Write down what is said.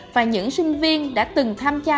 và những sinh viên đã từng tham gia